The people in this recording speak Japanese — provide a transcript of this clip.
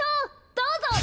どうぞ！